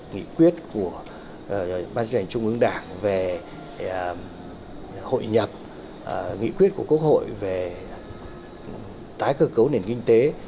nghị quyết của ban chỉ hành trung ương đảng về hội nhập nghị quyết của quốc hội về tái cơ cấu nền kinh tế